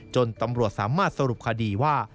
ตำรวจสามารถสรุปคดีว่า